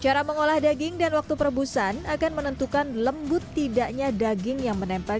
cara mengolah daging dan waktu perebusan akan menentukan lembut tidaknya daging yang menempel